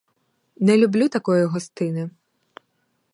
Не люблю такої гостини.